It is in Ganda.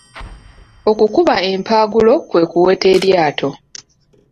Okukuba empagulo kwe kuweta eryato.